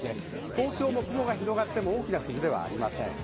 東京も雲が広がっても大きな崩れはありません。